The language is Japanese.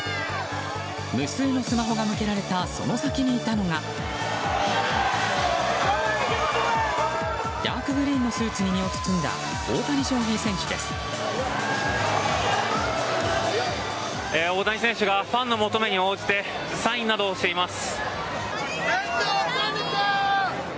無数のスマホが向けられたその先にいたのがダークグリーンのスーツに身を包んだ大谷選手がファンの求めに応じてサインなどをしています。